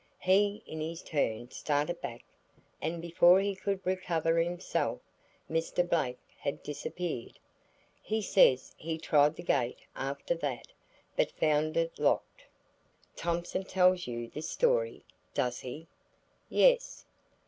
He in his turn started back and before he could recover himself, Mr. Blake had disappeared. He says he tried the gate after that, but found it locked." "Thompson tells you this story, does he?" "Yes."